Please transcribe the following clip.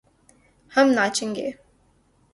ہم ناچے گے